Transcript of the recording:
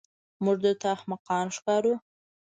موږ درته احمقان ښکارو.